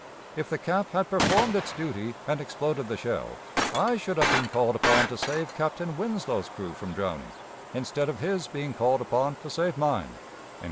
If the cap had performed its duty, and exploded the shell, I should have been called upon to save Captain Winslow's crew from drowning, instead of his being called upon to save mine."